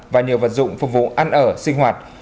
và nhiều vật dụng phục vụ ăn ở sinh hoạt